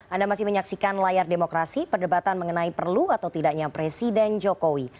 anda masih menyaksikan layar demokrasi perdebatan mengenai perlu atau tidaknya presiden jokowi